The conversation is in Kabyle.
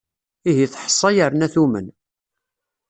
Imi teḥsa, yerna tumen.